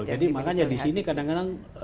betul jadi makanya disini kadang kadang